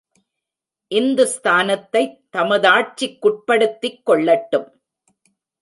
இந்துஸ்தானத்தைத் தமதாட்சிக்குட்படுத்திக் கொள்ளட்டும்.